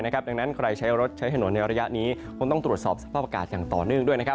ดังนั้นใครใช้รถใช้ถนนในระยะนี้คงต้องตรวจสอบสภาพอากาศอย่างต่อเนื่องด้วย